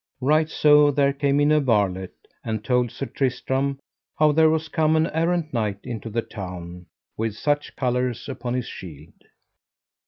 Right so there came in a varlet and told Sir Tristram how there was come an errant knight into the town, with such colours upon his shield.